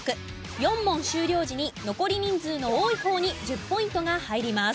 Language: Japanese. ４問終了時に残り人数の多い方に１０ポイントが入ります。